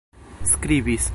skribis